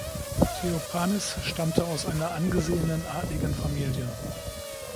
Theophanes stammte aus einer angesehenen, adligen Familie.